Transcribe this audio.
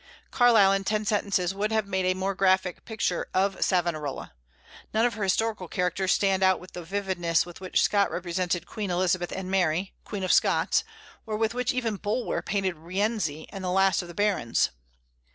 Carlyle in ten sentences would have made a more graphic picture of Savonarola. None of her historical characters stand out with the vividness with which Scott represented Queen Elizabeth and Mary, Queen of Scots, or with which even Bulwer painted Rienzi and the last of the Barons.